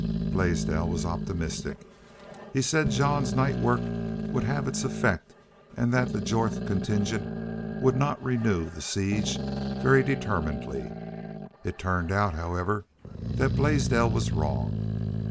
Blaisdell was optimistic. He said Jean's night work would have its effect and that the Jorth contingent would not renew the siege very determinedly. It turned out, however, that Blaisdell was wrong.